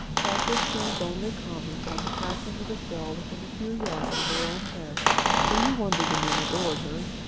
That was Jane's only comment on the passing of a shell within a few yards of her own head. Do you wonder the men adored her?